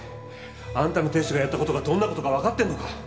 あんたの亭主がやった事がどんな事かわかってんのか？